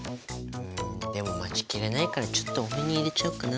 んでも待ちきれないからちょっと多めに入れちゃおっかな。